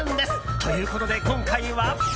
ということで今回は。